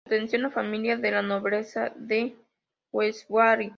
Pertenecía a una familia de la nobleza de Westfalia.